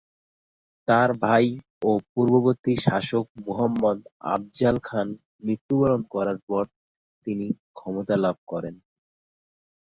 তার ভাই ও পূর্ববর্তী শাসক মুহাম্মদ আফজাল খান মৃত্যুবরণ করার পর তিনি ক্ষমতা লাভ করেন।